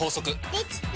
できた！